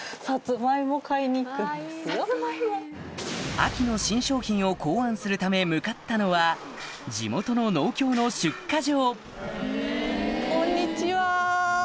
秋の新商品を考案するため向かったのは地元の農協の出荷場